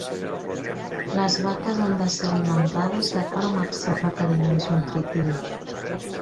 Les vaques han de ser alimentades d'acord amb els seus requeriments nutritius.